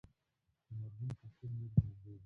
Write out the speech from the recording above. د مرحوم فقير مور ژوندۍ وه.